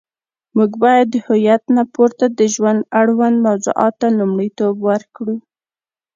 موږ باید د هویت نه پورته د ژوند اړوند موضوعاتو ته لومړیتوب ورکړو.